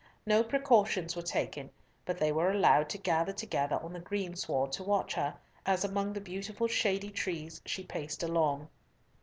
No precautions were taken, but they were allowed to gather together on the greensward to watch her, as among the beautiful shady trees she paced along.